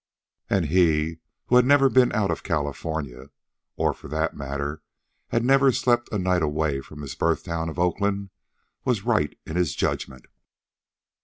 And he, who had never been out of California, or, for that matter, had never slept a night away from his birthtown of Oakland, was right in his judgment.